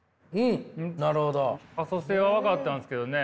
可塑性は分かったんですけどね